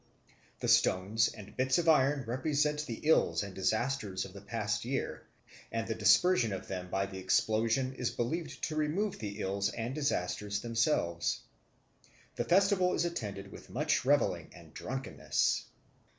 The stones and bits of iron represent the ills and disasters of the past year, and the dispersion of them by the explosion is believed to remove the ills and disasters themselves. The festival is attended with much revelling and drunkenness.